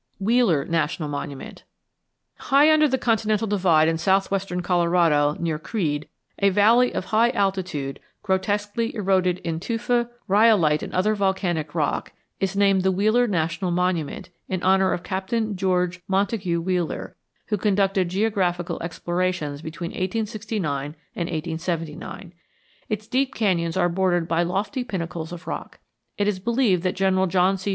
WHEELER NATIONAL MONUMENT High under the Continental Divide in southwestern Colorado near Creede, a valley of high altitude, grotesquely eroded in tufa, rhyolite, and other volcanic rock, is named the Wheeler National Monument in honor of Captain George Montague Wheeler, who conducted geographical explorations between 1869 and 1879. Its deep canyons are bordered by lofty pinnacles of rock. It is believed that General John C.